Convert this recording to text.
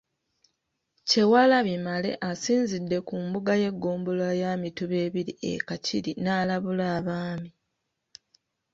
Kyewalabye Male asinzidde ku mbuga y’eggombolola ya Mituba ebiri e Kakiri n’alabula Abaami.